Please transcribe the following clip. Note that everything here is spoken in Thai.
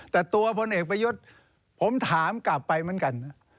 แต่ตัวพลเอกประยุทธ์ผมถามกลับไปเหมือนกัน